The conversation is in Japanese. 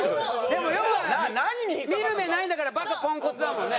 でも要は見る目ないんだから「バカ・ポンコツ」だもんね。